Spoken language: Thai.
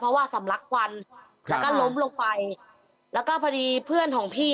เพราะว่าสำลักควันแล้วก็ล้มลงไปแล้วก็พอดีเพื่อนของพี่